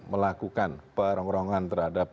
melakukan perongrongan terhadap